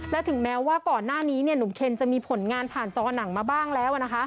และถึงแม้ว่าก่อนหน้านี้หนุ่มเคนจะมีผลงานผ่านจอหนังมาบ้างแล้ว